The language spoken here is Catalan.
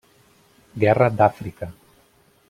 Guerra d'Àfrica.